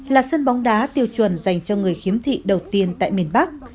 là sân bóng đá tiêu chuẩn dành cho người khiếm thị đầu tiên tại miền bắc